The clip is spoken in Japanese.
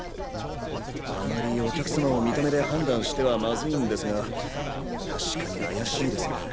あまりお客様を見た目で判断してはマズイんですが確かに怪しいですね。